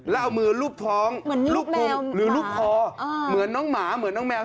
แล้วเอามือรูปท้องรูปคมหรือรูปคอเหมือนน้องหมาเหมือนน้องแมว